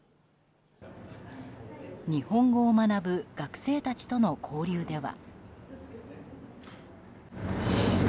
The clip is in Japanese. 日本語を学ぶ学生たちとの交流では。